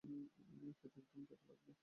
খেতে একদম তেতো লাগবে।